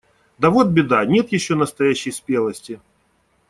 Да вот беда: нет еще настоящей спелости.